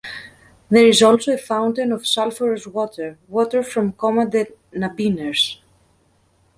There is also a fountain of sulfurous water, water from Coma de Nabiners.